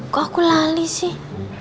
kok aku lali sih